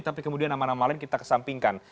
tapi kemudian nama nama lain kita kesampingkan